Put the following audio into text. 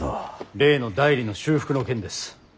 例の内裏の修復の件です。